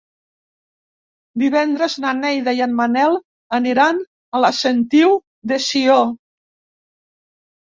Divendres na Neida i en Manel aniran a la Sentiu de Sió.